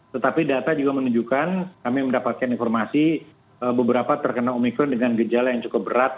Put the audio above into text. tetapi data juga menunjukkan kami mendapatkan informasi beberapa terkena omikron dengan gejala yang cukup berat